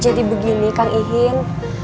jadi begini kang ihin